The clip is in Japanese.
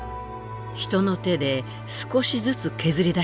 人の手で少しずつ削り出していったんだ。